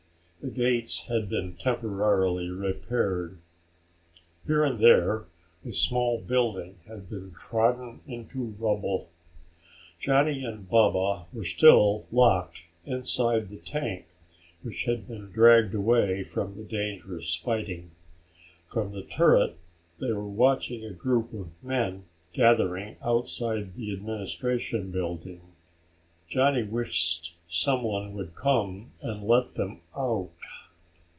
The gates had been temporarily repaired. Here and there a small building had been trodden into rubble. Johnny and Baba were still locked inside the tank which had been dragged away from the dangerous fighting. From the turret they were watching a group of men gathered outside the administration building. Johnny wished someone would come and let them out.